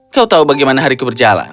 kau tahu bagaimana hariku berjalan